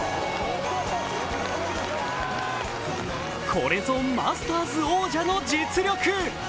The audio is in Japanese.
これぞマスターズ王者の実力。